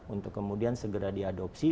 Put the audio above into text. untuk kemudian segera diadopsi